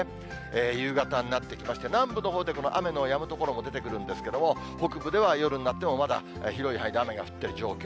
夕方になってきまして、南部のほうでこの雨のやむ所も出てくるんですけれども、北部では夜になってもまだ、広い範囲で雨が降ってる状況。